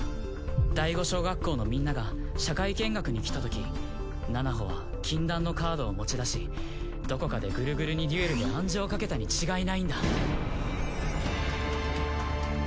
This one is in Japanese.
第５小学校のみんなが社会見学に来たときナナホは禁断のカードを持ち出しどこかでグルグルにデュエルで暗示をかけたに違いないんだ。